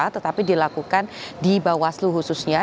tetapi dilakukan di bawah slu khususnya